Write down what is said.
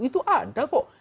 itu ada kok